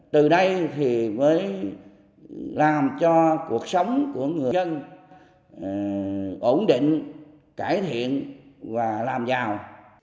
từ đây thì mới làm cho cuộc sống của người dân ổn định cải thiện và làm giàu